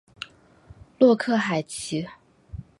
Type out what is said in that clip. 洛克海吉。